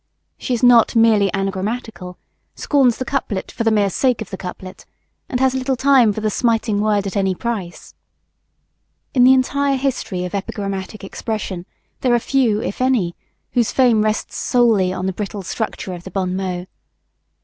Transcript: She is not merely anagrammatical, scorns the couplet for the mere sake of the couplet, and has little time for the smiting word at any price. In the entire history of epigrammatic expression there are few if any whose fame rests solely upon the brittle structure of the bon mot.